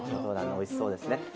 おいしそうですね。